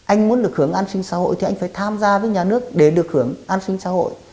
anh muốn được hưởng an sinh xã hội thì anh phải tham gia với nhà nước để được hưởng an sinh xã hội